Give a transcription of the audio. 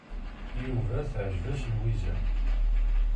Yuba teɛjeb-as Lwiza.